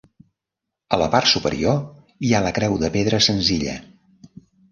A la part superior hi ha la creu de pedra senzilla.